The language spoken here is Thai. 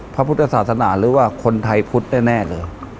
พระพุทธศาสนาหรือว่าคนไทยพุทธแน่เลย